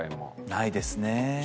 ないですね。